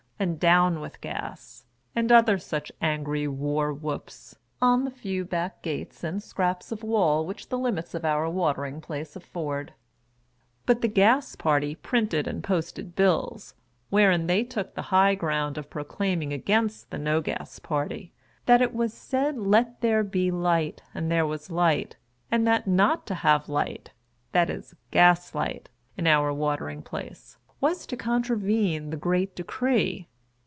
" and " Down with Gas !" and other such angry war whoops, on the few back gates and scraps of wall which the limits of our Watering Place afford ; but the Gas party printed and posted bills, wherein they took the high ground of proclaiming against the No Gas part}', that it was said Let there be light and there was light ; and that not to have light (that is gas light) in our Watering Place, was to contravene the great decree.